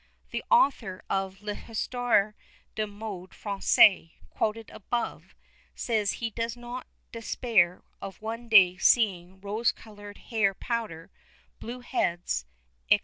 The author of L'Histoire des Modes Française, quoted above, says he does not "despair of one day seeing rose coloured hair powder, blue heads," &c.